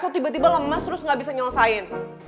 lo tiba tiba lemes terus gak bisa nyelesain